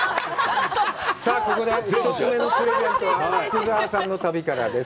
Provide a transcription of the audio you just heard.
さあ、ここで１つ目のプレゼントは福澤さんの旅からです。